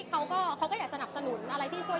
เขาก็อยากจะหนักสนุนอะไรที่ช่วยได้